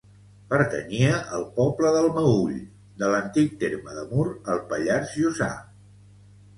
Pertanyia al poble del Meüll, de l'antic terme de Mur, al Pallars Jussà.